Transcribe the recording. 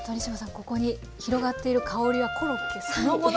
ここに広がっている香りはコロッケそのものですね。